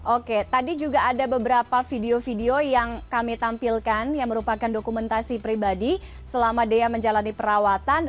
oke tadi juga ada beberapa video video yang kami tampilkan yang merupakan dokumentasi pribadi selama daya menjalani perawatan